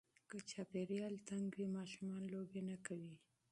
که چاپېریال تنګ وي، ماشومان لوبې نه کوي.